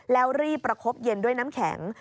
แล้วรีบประคบเย็นด้วยน้ำแข็ง